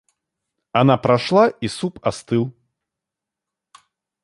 Она прошла и суп остыл.